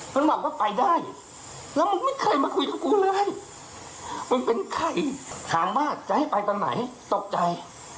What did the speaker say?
แล้วมึงไม่เคยมาคุยกับกูเลยมึงเป็นใครถามว่าใจให้ไปตอนไหนตกใจ